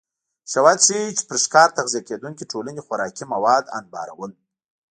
شواهد ښيي چې پر ښکار تغذیه کېدونکې ټولنې خوراکي مواد انبارول